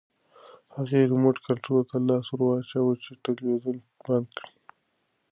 هغې ریموټ کنټرول ته لاس ورواچاوه چې تلویزیون بند کړي.